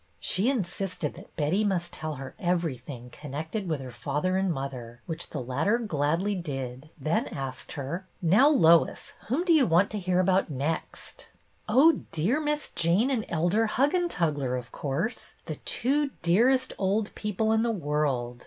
She in sisted that Betty must tell her everything connected with her father and mother, which the latter gladly did, then asked her, —" Now, Lois, whom do you want to hear about next " "Oh, dear Miss Jane and Elder Huggen tugler, of course, the two dearest old people in the world